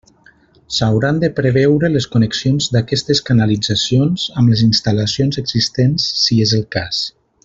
S'hauran de preveure les connexions d'aquestes canalitzacions amb les instal·lacions existents si és el cas.